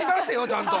ちゃんと。